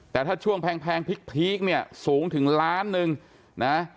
แต่ถ้าช่วงแพงพริกเนี่ยสูงถึงล้านหนึ่งนะ